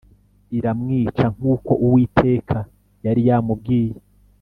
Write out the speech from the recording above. iramwica nk’uko Uwiteka yari yamubwiye